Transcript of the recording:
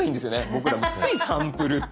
僕らもついサンプルって。